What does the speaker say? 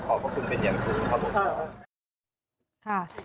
ขอบคุณเป็นอย่างสูงครับผม